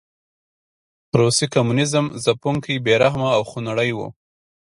روسي کمونېزم ځپونکی، بې رحمه او خونړی و.